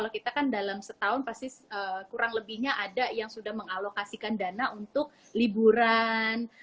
kita kan dalam setahun pasti kurang lebihnya ada yang sudah mengalokasikan dana untuk liburan